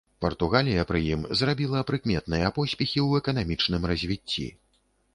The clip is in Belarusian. Партугалія пры ім зрабіла прыкметныя поспехі ў эканамічным развіцці.